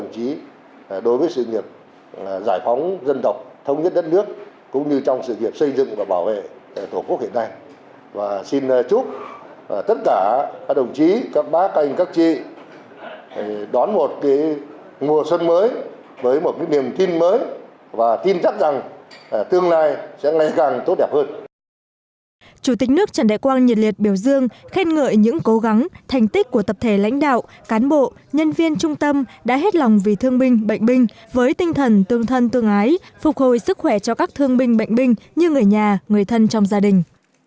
chủ tịch nước trần đại quang nhiệt liệt biểu dương khen ngợi những cố gắng thành tích của tập thể lãnh đạo cán bộ nhân viên trung tâm đã hết lòng vì thương binh bệnh binh với tinh thần tương thân tương ái phục hồi sức khỏe cho các thương binh bệnh binh như người nhà người thân trong gia đình